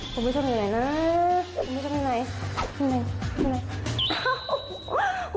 คุณผู้ชมอยู่ไหนนะคุณผู้ชมอยู่ไหนคุณผู้ชมอยู่ไหน